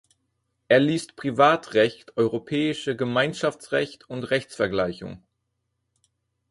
Er liest Privatrecht, Europäische Gemeinschaftsrecht und Rechtsvergleichung.